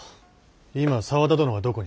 今沢田殿はどこに？